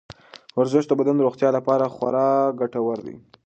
ورزش د بدن د روغتیا لپاره خورا ګټور دی.